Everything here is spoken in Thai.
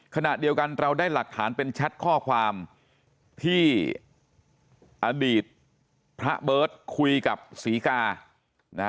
ขณะเดียวกันเราได้หลักฐานเป็นแชทข้อความที่อดีตพระเบิร์ตคุยกับศรีกานะ